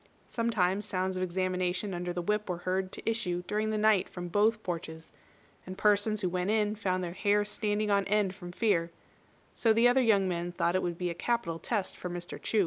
Sometimes sounds of examination under the whip were heard to issue during the night from both porches, and persons who went in found their hair standing on end from fear; so the other young men thought it would be a capital test for Mr. Chu.